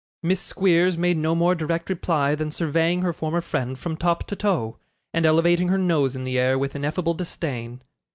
Miss Squeers made no more direct reply than surveying her former friend from top to toe, and elevating her nose in the air with ineffable disdain.